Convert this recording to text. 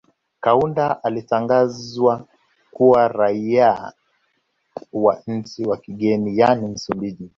Kaunda alitangazwa kuwa raia wa nchi ya kigeni yaani Msumbiji